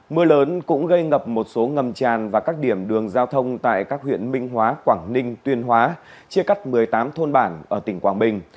mưa lớn cũng gây ngập một số ngầm tràn và các điểm đường giao thông tại các huyện minh hóa quảng ninh tuyên hóa chia cắt một mươi tám thôn bản ở tỉnh quảng bình